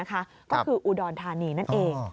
ก็คืออุดรธานี๒ครับ